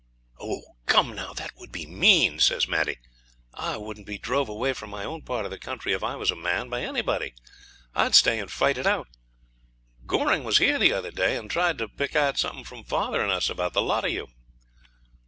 'Oh! come, now! that would be mean,' says Maddie. 'I wouldn't be drove away from my own part of the country, if I was a man, by anybody. I'd stay and fight it out. Goring was here the other day, and tried to pick out something from father and us about the lot of you.'